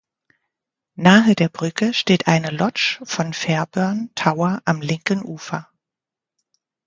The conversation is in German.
Nahe der Brücke steht eine Lodge von Fairburn Tower am linken Ufer.